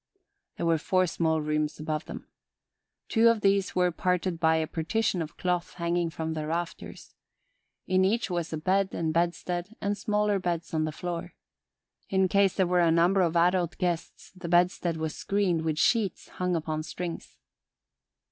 There were four small rooms above them. Two of these were parted by a partition of cloth hanging from the rafters. In each was a bed and bedstead and smaller beds on the floor. In case there were a number of adult guests the bedstead was screened with sheets hung upon strings.